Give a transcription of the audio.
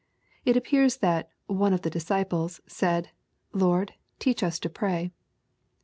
It appears that '* one of the disciples'' said, " Lord, teach us to pray."